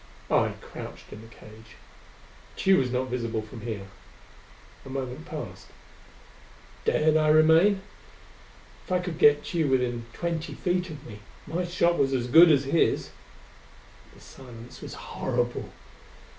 I crouched in the cage. Tugh was not visible from here. A moment passed. Dared I remain? If I could get Tugh within twenty feet of me, my shot was as good as his.... The silence was horrible.